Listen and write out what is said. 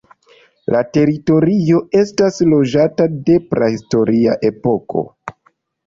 La teritorio estas loĝata de prahistoria epoko.